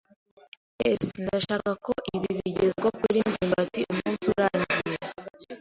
[S] Ndashaka ko ibi bigezwa kuri ndimbati umunsi urangiye.